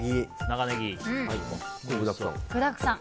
具だくさん。